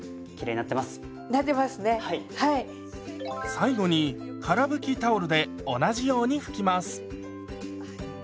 最後にから拭きタオルで同じように拭きます。